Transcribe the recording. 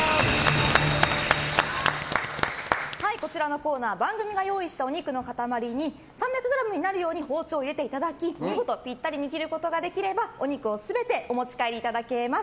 こちらのコーナー番組が用意したお肉の塊に３００ｇになるように包丁を入れていただき見事ピッタリに切ることができればお肉を全てお持ち帰りいただけます。